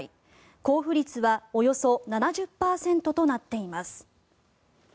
交付率はおよそ７０％となっています。